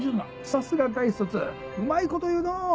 さすが大卒うまいこと言うのう！